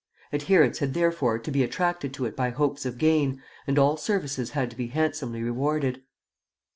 Adherents had therefore to be attracted to it by hopes of gain, and all services had to be handsomely rewarded.